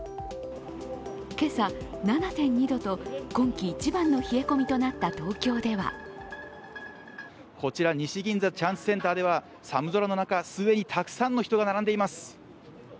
今朝、７．２度と今期一番の冷え込みとなった東京ではこちら西銀座チャンスセンターでは寒空の中、既にたくさんの人が並んでいます。